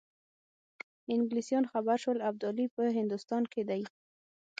انګلیسان خبر شول ابدالي په هندوستان کې دی.